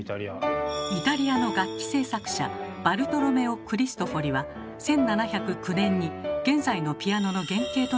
イタリアの楽器製作者バルトロメオ・クリストフォリは１７０９年に現在のピアノの原型となる楽器を発明。